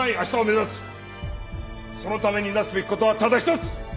そのためになすべき事はただ一つ！